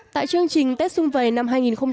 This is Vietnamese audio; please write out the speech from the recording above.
tại chương trình tết xung vầy năm hai nghìn một mươi tám